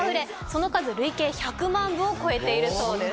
その数累計１００万部を超えているそうです